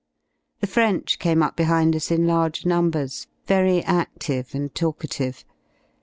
The French came up behind us in large numbers, very adlive and talkative.